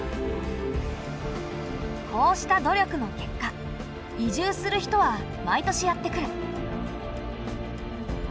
こうした努力の結果移住する人は毎年やって来る。